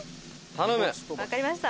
わかりました。